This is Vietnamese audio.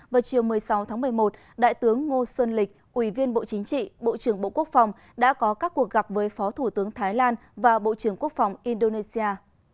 vào chiều một mươi sáu tháng một mươi một đại tướng ngô xuân lịch ủy viên bộ chính trị bộ trưởng bộ quốc phòng đã có các cuộc gặp với phó thủ tướng thái lan và bộ trưởng quốc phòng indonesia